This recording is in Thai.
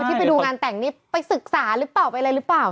ที่ไปดูงานแต่งนี่ไปศึกษาหรือเปล่าไปอะไรหรือเปล่า